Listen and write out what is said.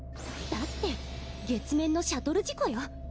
だって月面のシャトル事故よ。